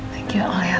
thank you allah ya